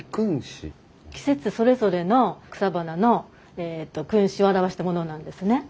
季節それぞれの草花のえっと君子を表したものなんですね。